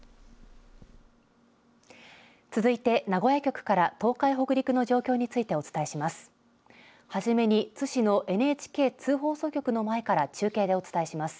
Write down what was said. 続いて名古屋局から、東海北陸の状況についてお伝えします。